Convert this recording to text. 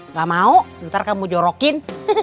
gak mau ntar kamu jorokin